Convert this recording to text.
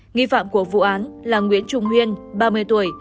nghi phạm của vụ án là nguyễn trung huyên ba mươi tuổi